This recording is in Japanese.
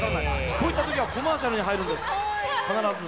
こういった時はコマーシャルに入るんです必ず。